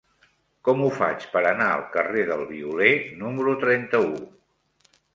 Com ho faig per anar al carrer del Violer número trenta-u?